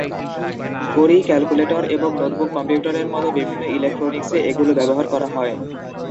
ঘড়ি, ক্যালকুলেটর এবং নোটবুক কম্পিউটারের মত বিভিন্ন ইলেকট্রনিক্সে এগুলো ব্যবহার করা হয়।